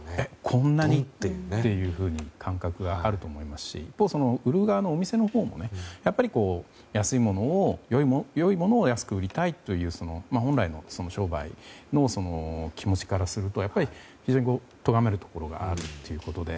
こんなに？っていう感覚があると思いますし一方、お店の売る側のほうもやっぱり良いものを安く売りたいという本来の商売の気持ちからすると非常に気がとがめるところがあるということで。